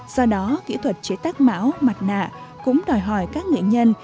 do đó kỹ thuật chế tác mão mặt nạ cũng đòi hỏi các nghệ nhân